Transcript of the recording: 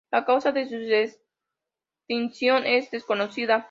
La causa de sus extinción es desconocida.